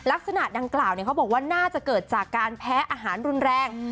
ลักษณะดังกล่าวเขาบอกว่าน่าจะเกิดจากการแพ้อาหารรุนแรง